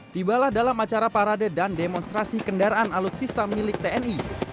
tibalah dalam acara parade dan demonstrasi kendaraan alutsista milik tni